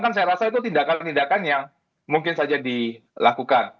kan saya rasa itu tindakan tindakan yang mungkin saja dilakukan